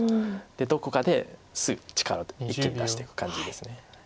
どこかですぐ力を一気に出していく感じです。